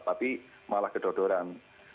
tapi malah kedodoran